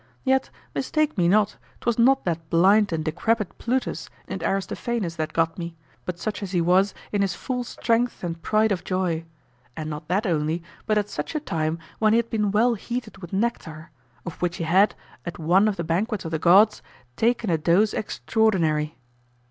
Yet, mistake me not, 'twas not that blind and decrepit Plutus in Aristophanes that got me, but such as he was in his full strength and pride of youth; and not that only, but at such a time when he had been well heated with nectar, of which he had, at one of the banquets of the gods, taken a dose extraordinary.